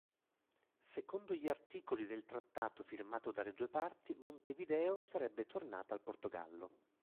Secondo gli articoli del trattato firmato dalle due parti, Montevideo sarebbe tornata al Portogallo.